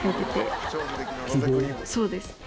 そうです。